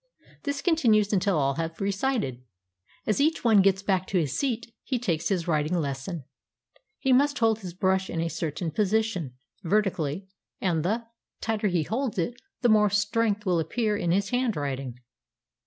This continues until all have recited. As each one gets back to his seat, he takes his writing lesson. He must hold his brush in a certain position, vertically, and the tighter he holds it the more strength will appear in his handwriting.